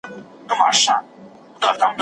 ښونځي ته د تګ پاتې نجونې شپېته سلنه دي.